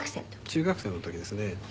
中学生の時ですね。